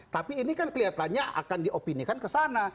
tapi ini kan kelihatannya akan diopinikan ke sana